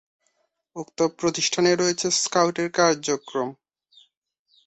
উক্ত প্রতিষ্ঠানে রয়েছে স্কাউট এর কার্যক্রম।